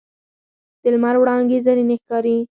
د لمر وړانګې زرینې ښکاري